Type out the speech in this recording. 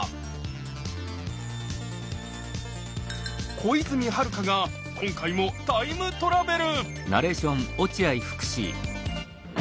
小泉遥香が今回もタイムトラベル！